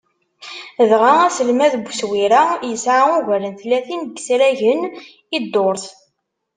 Dɣa aselmad n uswir-a, yesεa ugar n tlatin n yisragen i ddurt.